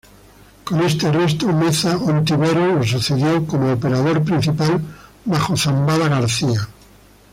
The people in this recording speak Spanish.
Con este arresto, Meza Ontiveros lo sucedió como operador principal bajo Zambada García.